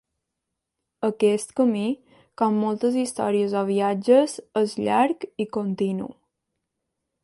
Aquest camí, com moltes històries o viatges, és llarg i continu.